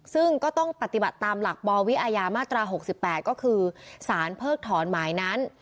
ซึ่งก็ต้องปฏิบัติตามหลักปวิอาญามาตรา๖๘ก็คือสารเพิกถอนหมายนั้น